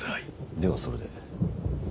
ではそれで。